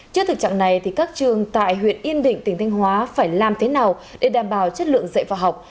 trước thực trạng này các trường tại huyện yên định tỉnh thanh hóa phải làm thế nào để đảm bảo chất lượng dạy và học